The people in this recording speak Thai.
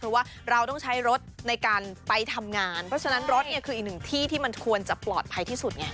เพราะว่าเราต้องใช้รถในการไปทำงานเพราะฉะนั้นรถเนี่ยคืออีกหนึ่งที่ที่มันควรจะปลอดภัยที่สุดไง